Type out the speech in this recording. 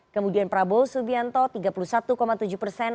kemudian prabowo subianto tiga puluh satu tujuh persen